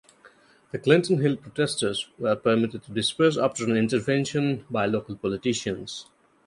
The Clinton Hill protesters were permitted to disperse after an intervention by local politicians.